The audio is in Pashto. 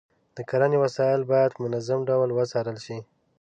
د کرنې وسایل باید په منظم ډول وڅارل شي.